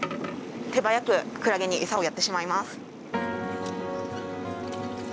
手早くクラゲにエサをやってしまいます。